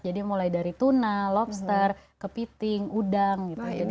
jadi mulai dari tuna lobster kepiting udang